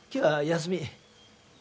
休み？